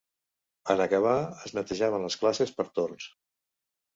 En acabar es netejaven les classes per torns.